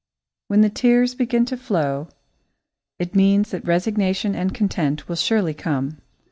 When the tears begin to flow, it means that resignation and content will surely come.